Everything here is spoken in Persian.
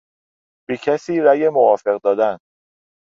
به کسی رای موافق دادن